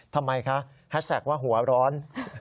ทำไมคะแฮชแท็กว่าหัวร้อน